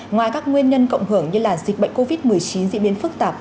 ngoài các nguyên nhân cộng hưởng như dịch bệnh covid một mươi chín diễn biến phức tạp